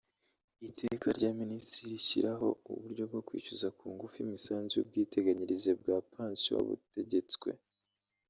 Iteka rya Minisitiri rishyiraho uburyo bwo kwishyuza ku ngufu imisanzu y’ubwiteganyirize bwa pansiyo butegetswe;